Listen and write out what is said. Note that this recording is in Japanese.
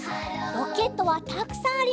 ロケットはたくさんあります。